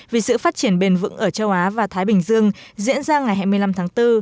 vì sự phát triển bền vững ở châu á và thái bình dương diễn ra ngày hai mươi năm tháng bốn